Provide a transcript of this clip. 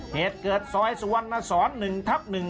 เหตุเกิดซอยสุวรรณสอน๑ทับ๑